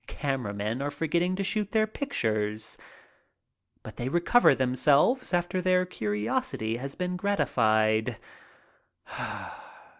Camera men are forgetting to shoot their pictures. But they recover themselves after their curiosity has been gratified.